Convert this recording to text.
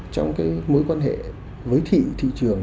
trong cái mối quan hệ với thị thị trường